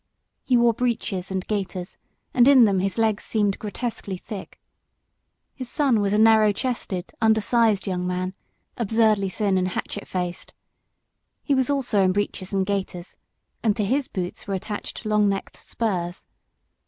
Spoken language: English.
He wore breeches and gaiters, and in them his legs seemed grotesquely thick. His son was a narrow chested, undersized young man, absurdly thin and hatchet faced. He was also in breeches and gaiters, and to his boots were attached long necked spurs.